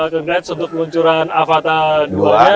congrats untuk peluncuran avata dua nya